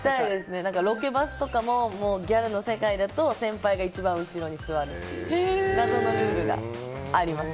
ロケバスとかもギャルの世界だと先輩が一番後ろに座る謎のルールがあります。